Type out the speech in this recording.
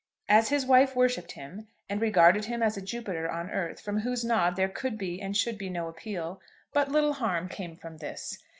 As his wife worshipped him, and regarded him as a Jupiter on earth from whose nod there could be and should be no appeal, but little harm came from this.